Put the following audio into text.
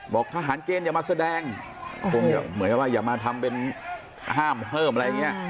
ทหารเกณฑ์อย่ามาแสดงคงเหมือนกับว่าอย่ามาทำเป็นห้ามเพิ่มอะไรอย่างนี้